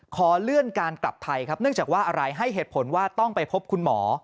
ขอเลื่อนการกลับไทยครับเนื่องจากว่าอะไรให้เหตุผลว่าต้องไปพบคุณหมอ